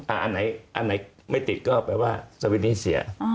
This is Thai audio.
อันไหนอันไหนไม่ติดก็แปลว่าสวิตชนี้เสีย